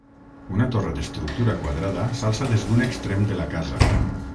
Una torre d'estructura quadrada s'alça des d'un extrem de la casa.